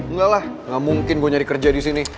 enggak lah gak mungkin gue nyari kerja di sini